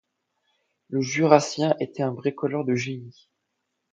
Le Jurassien était un bricoleur de génie.